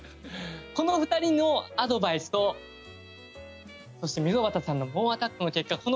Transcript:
この２人のアドバイスとそして溝端さんの猛アタックの結果